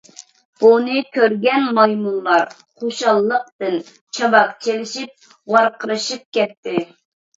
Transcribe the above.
بۇنى كۆرگەن مايمۇنلار خۇشاللىقىدىن چاۋاك چېلىشىپ ۋارقىرىشىپ كەتتى.